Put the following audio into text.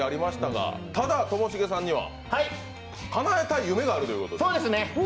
ただ、ともしげさんにはかなえたい夢があるということで？